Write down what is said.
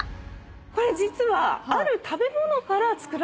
これ実は。